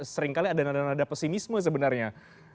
seringkali ada nada nada pesimisme sebenarnya